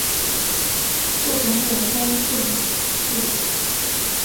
授刑部观政卒。